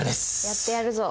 やってやるぞ。